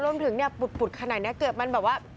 รวมถึงปุดขนาดนี้เกือบมันแบบว่า